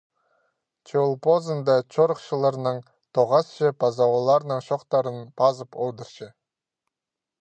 Че ол позында чорыхчыларнаң тоғасча паза оларның чоохтарын пазып одырча.